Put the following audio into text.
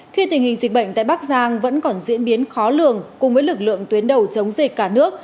khi tình hình dịch bệnh tại bắc giang vẫn còn diễn biến khó lường cùng với lực lượng tuyến đầu chống dịch cả nước